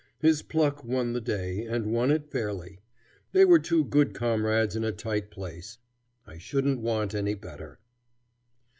His pluck won the day, and won it fairly. They were two good comrades in a tight place. I shouldn't want any better.